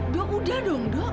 dok udah dong dok